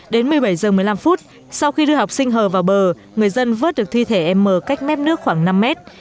đến một mươi bảy h một mươi năm phút sau khi đưa học sinh hờ vào bờ người dân vớt được thi thể m cách mép nước khoảng năm mét